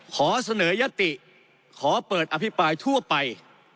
ขอเสนอยติขอเปิดอภิปรายทั่วไป